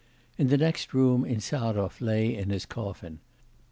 In the next room, Insarov lay in his coffin.